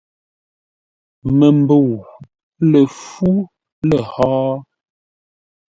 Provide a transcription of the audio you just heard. Məmbəu lə fú lə̂ hó?̂.